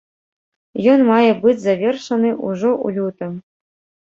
Ён мае быць завершаны ўжо ў лютым.